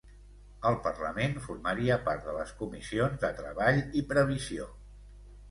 Al Parlament formaria part de les comissions de Treball i Previsió.